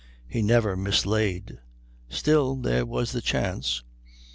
He never mislaid. Still there was the chance.